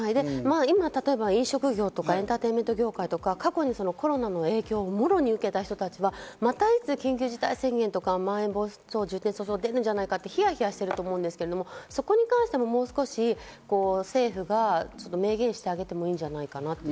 今、例えば飲食業とかエンターテインメント業界とか過去にコロナの影響をもろに受けた人たちは、また、いつ緊急事態宣言とか、まん延防止が出ると言ってヒヤヒヤしているかと思いますけど、政府がちょっと明言してあげてもいいんじゃないかなと。